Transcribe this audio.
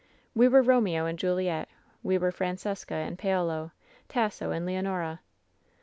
"We were Eomeo and Juliet. We were Erancesca and Paolo, Tasso and Leonora.